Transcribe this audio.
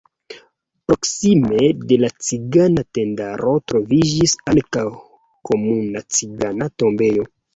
Proksime de la cigana tendaro troviĝis ankaŭ komuna cigana tombejo.